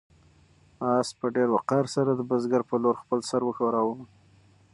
آس په ډېر وقار سره د بزګر په لور خپل سر وښوراوه.